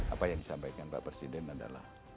apa yang disampaikan pak presiden adalah